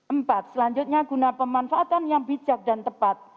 empat selanjutnya guna pemanfaatan yang bijak dan tepat